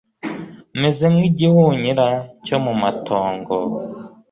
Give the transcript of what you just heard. meze nk’igihunyira cyo mu matongo